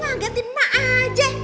ngagetin mak aja